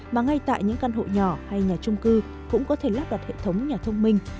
mà ngay tại những căn hộ nhỏ hay nhà trung cư cũng có thể lắp đặt hệ thống nhà thông minh